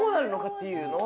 っていうのを。